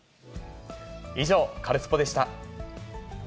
以上、カルスポっ！でした。